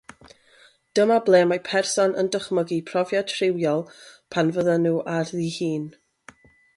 Dyma ble mae person yn dychmygu profiad rhywiol pan fyddan nhw ar ddihun.